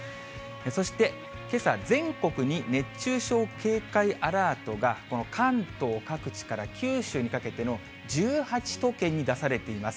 そして、けさ全国に熱中症警戒アラートが、この関東各地から九州にかけての１８都県に出されています。